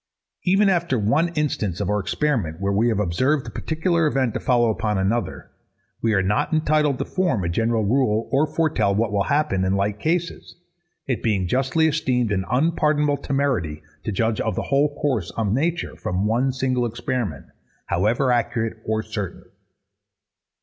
Even after one instance or experiment where we have observed a particular event to follow upon another, we are not entitled to form a general rule, or foretell what will happen in like cases; it being justly esteemed an unpardonable temerity to judge of the whole course of nature from one single experiment, however accurate or certain.